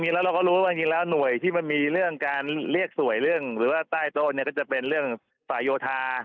แล้วเราก็รู้ว่าจริงแล้วหน่วยที่มันมีเรื่องการเรียกสวยเรื่องหรือว่าใต้โต๊ะเนี่ยก็จะเป็นเรื่องสายโยธา